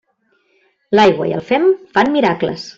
L'aigua i el fem fan miracles.